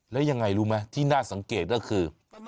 แล้วยังไงรู้ไหมที่น่าสังเกตก็คือ